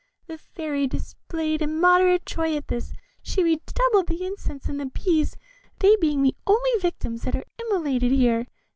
The Fairy displayed immoderate joy at this; she redoubled the incense and the bees, they being the only victims that are immolated here.